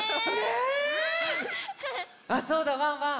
あっそうだワンワン。